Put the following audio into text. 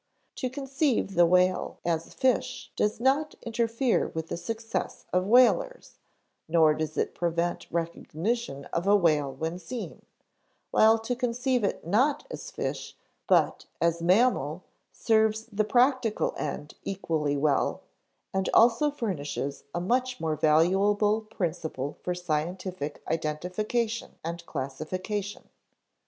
To conceive the whale as a fish does not interfere with the success of whalers, nor does it prevent recognition of a whale when seen, while to conceive it not as fish but as mammal serves the practical end equally well, and also furnishes a much more valuable principle for scientific identification and classification.